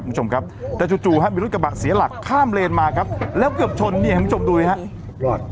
คุณผู้ชมครับแต่จู่จู่ฮะมีรถกระบะเสียหลักข้ามเลนมาครับแล้วเกือบชนเนี่ยคุณผู้ชมดูสิฮะ